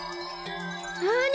なに？